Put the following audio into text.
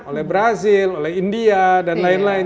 oleh brazil oleh india dan lain lain